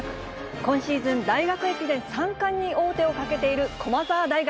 今シーズン、大学駅伝三冠に王手をかけている駒澤大学。